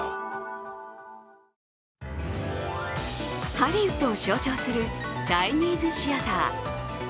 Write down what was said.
ハリウッドを象徴するチャイニーズシアター。